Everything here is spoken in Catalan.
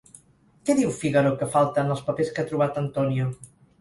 Què diu Fígaro que falta en els papers que ha trobat Antonio?